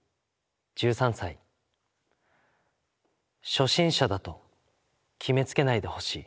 「初心者だと決めつけないでほしい。